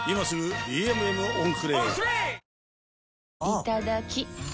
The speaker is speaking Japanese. いただきっ！